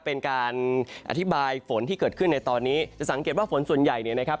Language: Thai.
เป็นการอธิบายฝนที่เกิดขึ้นในตอนนี้จะสังเกตว่าฝนส่วนใหญ่เนี่ยนะครับ